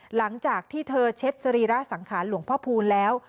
หลังจากที่เธอเช็ดสรีระสังขารหลวงพ่อพูนแล้ว